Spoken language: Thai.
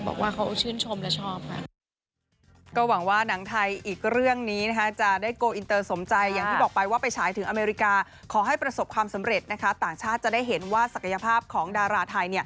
บอกว่าเขาชื่นชมและชอบค่ะ